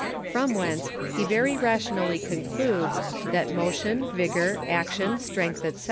From whence he very rationally concludes, that Motion, Vigour, Action, Strength, _&c.